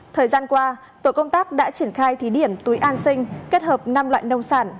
thời gian qua tổ công tác đã triển khai thí điểm túi an sinh kết hợp năm loại nông sản